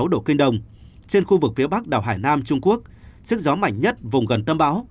một trăm linh chín sáu độ kinh đồng trên khu vực phía bắc đảo hải nam trung quốc sức gió mạnh nhất vùng gần tâm báo